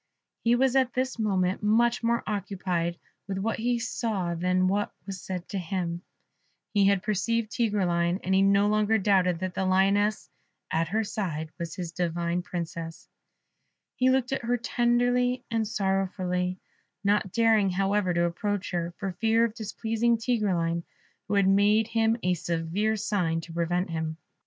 He was at this moment much more occupied with what he saw than with what was said to him; he had perceived Tigreline, and he no longer doubted that the lioness at her side was his divine Princess; he looked at her tenderly and sorrowfully, not daring, however, to approach her, for fear of displeasing Tigreline, who had made him a severe sign to prevent him.